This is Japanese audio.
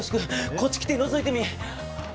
こっち来てのぞいてみ！